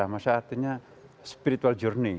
tamasha artinya spiritual journey